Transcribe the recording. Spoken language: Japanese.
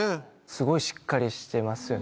すごいしっかりしてますよね。